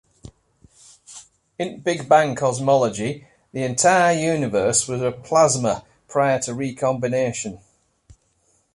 In the big bang cosmology the entire universe was a plasma prior to recombination.